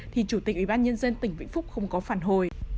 thì chủ tịch ubnd tỉnh vĩnh phúc không có phản hồi